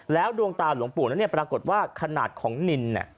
แล้วดวงตาหลวงปู่นั้นปรากฏว่าขนาดของนิน